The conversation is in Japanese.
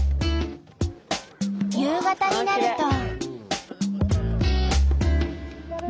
夕方になると。